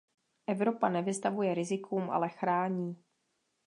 Evropa nevystavuje rizikům, ale chrání.